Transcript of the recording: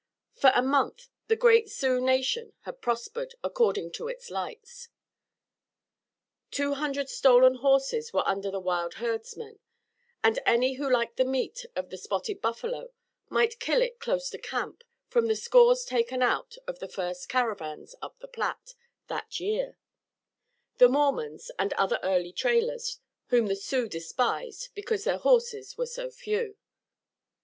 For a month the great Sioux nation had prospered, according to its lights. Two hundred stolen horses were under the wild herdsmen, and any who liked the meat of the spotted buffalo might kill it close to camp from the scores taken out of the first caravans up the Platte that year the Mormons and other early trailers whom the Sioux despised because their horses were so few.